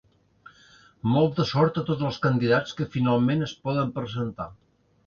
Molta sort a tots els candidats que finalment es poden presentar.